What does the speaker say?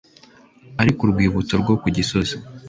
Ari Ku Rwibutso rwo ku gisozi